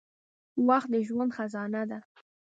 • وخت د ژوند خزانه ده.